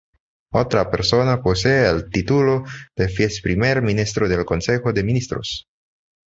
Otra persona posee el título de viceprimer ministro del consejo de ministros.